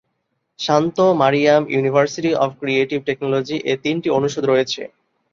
Shanto-Mariam university of creative technology এ তিনটি অনুষদ রয়েছে।